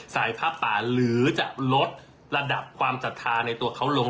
ผ้าป่าหรือจะลดระดับความศรัทธาในตัวเขาลง